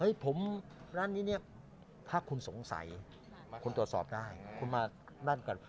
ผมร้านนี้เนี่ยถ้าคุณสงสัยคุณตรวจสอบได้คุณมานั่นกัน